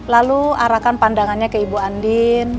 lalu arahkan pandangannya ke ibu andin